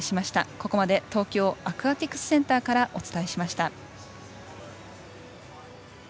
ここまで東京アクアティクスセンターからお伝えしました。